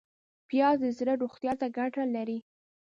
پیاز د زړه روغتیا ته ګټه لري